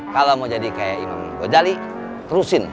kalau mau jadi kayak imam ghazali terusin